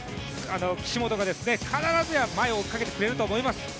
岸本が必ずや前を追いかけてくれると思います。